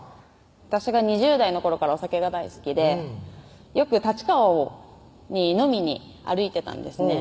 私が２０代の頃からお酒が大好きでよく立川に飲みに歩いてたんですね